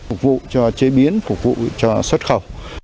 phục vụ cho chế biến phục vụ cho xuất khẩu